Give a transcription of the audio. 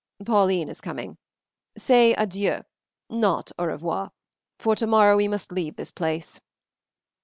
"Pauline is coming. Say adieu, not au revoir, for tomorrow we must leave this place."